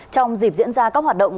trong dịp diễn ra các hoạt động